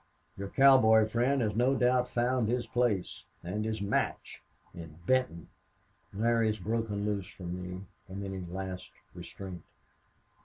Your cowboy friend has no doubt found his place and his match in Benton." "Larry has broken loose from me from any last restraint."